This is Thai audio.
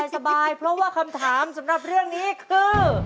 สบายเพราะว่าคำถามสำหรับเรื่องนี้คือ